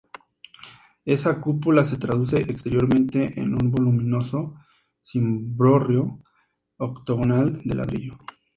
Esa cúpula se traduce exteriormente en un voluminoso cimborrio octogonal de ladrillo.